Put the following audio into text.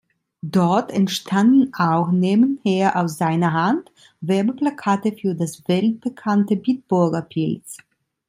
Dort entstanden auch nebenher aus seiner Hand Werbeplakate für das weltbekannte Bitburger Pils.